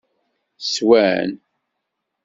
Swan.